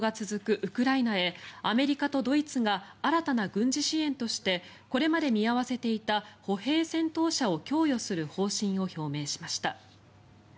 ウクライナへアメリカとドイツが新たな軍事支援としてこれまで見合わせていた歩兵戦闘車を供与する方針を表明しました。